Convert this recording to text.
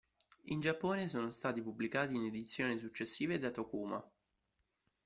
In Giappone sono stati pubblicati in edizioni successive da Tokuma.